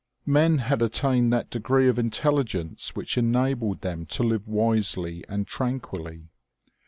Men had attained that degree of intelligence which enabled them to live wisely and tranquilly.